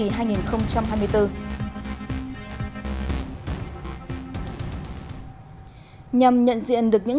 nhằm nhận diện được những cấp ủy tổ chức đảng và tư nhân